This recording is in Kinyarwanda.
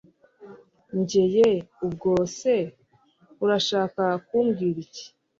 njye yeeeeh! ubwo se urashaka kumbwira iki!